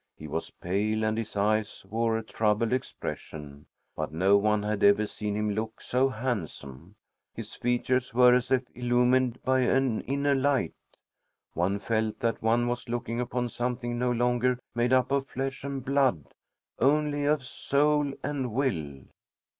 He was pale, and his eyes wore a troubled expression, but no one had ever seen him look so handsome. His features were as if illumined by an inner light. One felt that one was looking upon something no longer made up of flesh and blood, only of soul and will.